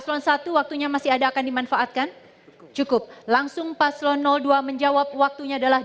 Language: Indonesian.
paslon satu waktunya masih ada akan dimanfaatkan cukup langsung paslon dua menjawab waktunya adalah